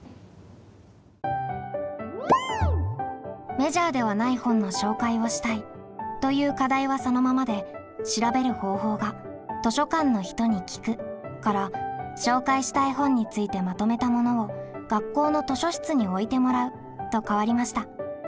「メジャーではない本の紹介をしたい」という課題はそのままで調べる方法が「図書館の人に聞く」から「紹介したい本についてまとめたものを学校の図書室に置いてもらう」と変わりました。